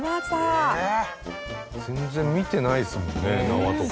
全然見てないですもんね縄とか。